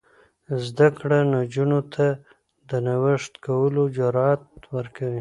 زده کړه نجونو ته د نوښت کولو جرات ورکوي.